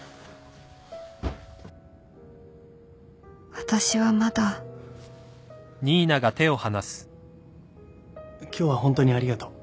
私はまだ今日はホントにありがとう。